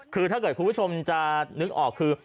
คือถ้าเกิดคุณผู้ชมจะนึกออกคือ